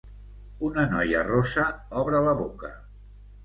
Una noia rossa obre la boca.